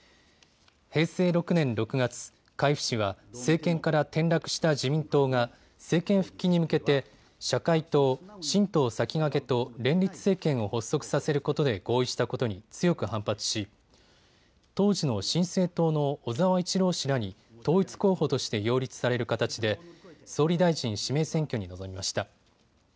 平成６年６月、海部氏は政権から転落した自民党が政権復帰に向けて社会党、新党さきがけと連立政権を発足させることで合意したことに強く反発し当時の新生党の小沢一郎氏らに統一候補として擁立される形で総理大臣指名選挙に臨みました。